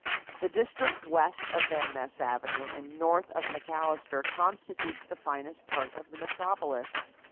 The district west of Van Ness Avenue and north of McAllister constitutes the finest part of the metropolis.